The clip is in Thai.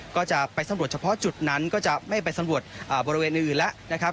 ก็จะไปสำรวจเฉพาะจุดนั้นก็จะไม่ไปสำรวจบริเวณอื่นแล้วนะครับ